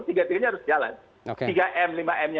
itu tiga m nya harus jalan tiga m lima m nya